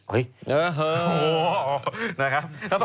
อุ๊ยโอวร์นะครับ